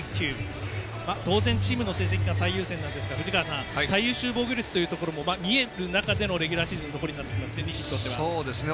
当然チームの成績が最優先なんですが最優秀防御率というところも見える中でのレギュラーシーズンの残りですね。